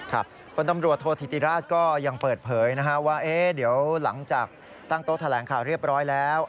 คนตำรวจโทษธิติราชก็ยังเปิดเผยว่าเดี๋ยวหลังจากตั้งโต๊ะแถลงข่าวเรียบร้อยแล้ว